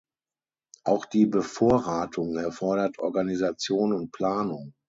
Auch die Bevorratung erfordert Organisation und Planung.